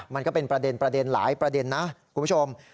มันก็เป็นประเด็นหลายประเด็นนะคุณผู้ชม